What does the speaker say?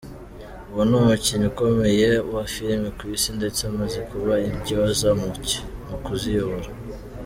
Ubu ni umukinnyi ukomeye wa film ku Isi ndetse amaze kuba intyoza mu kuziyobora.